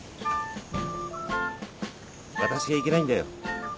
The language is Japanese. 私がいけないんだよ。